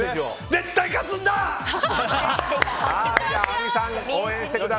絶対、勝つんだ！